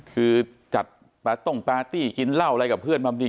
คือจัดปาร์ต้งปาร์ตี้กินเหล้าอะไรกับเพื่อนบางที